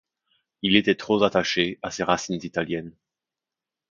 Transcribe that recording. Il était trop attaché à ses racines italiennes.